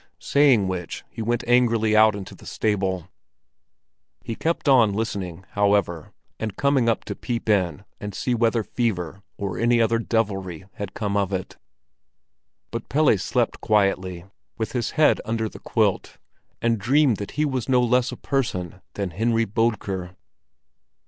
Saying which he went angrily out into the stable. He kept on listening, however, and coming up to peep in and see whether fever or any other devilry had come of it. But Pelle slept quietly with his head under the quilt, and dreamed that he was no less a person than Henry Bodker.